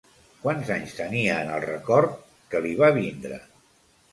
Quants anys tenia en el record que li va vindre?